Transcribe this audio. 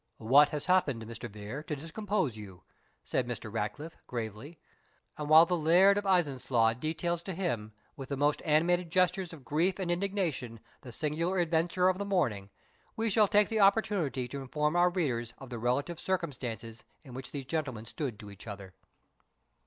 "What has happened, Mr. Vere, to discompose you?" said Mr, Ratcliffe, gravely; and while the Laird of Ellieslaw details to him, with the most animated gestures of grief and indignation, the singular adventure of the morning, we shall take the opportunity to inform our readers of the relative circumstances in which these gentlemen stood to each other.